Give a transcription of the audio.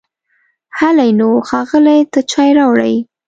هلی نو، ښاغلي ته چای راوړئ!